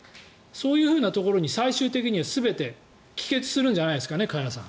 そういうところに最終的には全て帰結するんじゃないんですかね。